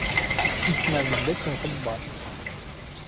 Икмәгеңде тығып бар.